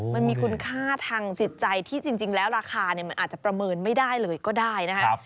มันมีคุณค่าทางจิตใจที่จริงแล้วราคามันอาจจะประเมินไม่ได้เลยก็ได้นะครับ